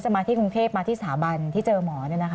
มาที่สถาบันที่เจอหมอ